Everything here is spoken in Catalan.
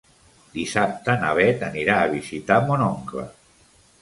Dissabte na Bet anirà a visitar mon oncle.